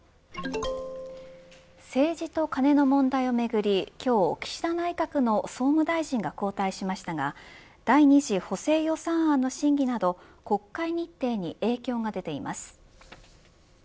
政治とカネの問題をめぐり今日、岸田内閣の総務大臣が交代しましたが第２次補正予算案の審議など国会日程に影響が出ています。